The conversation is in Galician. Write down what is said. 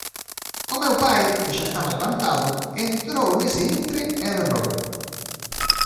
O meu pai, que xa estaba levantado, entrou nese intre e berrou: